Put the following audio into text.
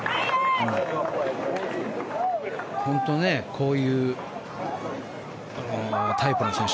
こういうタイプの選手